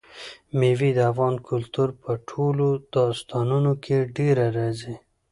مېوې د افغان کلتور په ټولو داستانونو کې ډېره راځي.